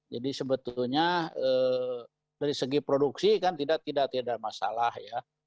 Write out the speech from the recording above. jadi sebetulnya dari segi produksi kan tidak tidak tidak masalah ya